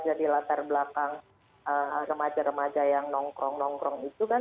jadi latar belakang remaja remaja yang nongkrong nongkrong itu kan